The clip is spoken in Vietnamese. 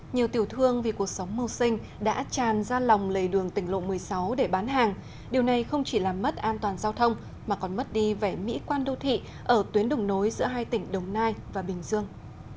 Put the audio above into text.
nhiều tiểu thương vì cuộc sống mưu sinh đã tràn ra lòng lấy đường tỉnh lộ một mươi sáu để bán hàng điều này không chỉ làm mất an toàn giao thông mà còn mất đi vẻ mỹ quan đô thị ở tuyến đồng nối giữa hai tỉnh đồng nai và bình dương